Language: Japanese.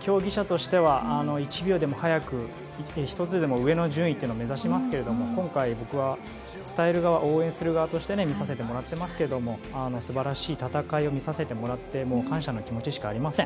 競技者としては１秒でも早く１つでも上の順位を目指しますけども今回、僕は伝える側応援する側として見させてもらってますけど素晴らしい戦いを見せてもらって感謝の気持ちしかありません。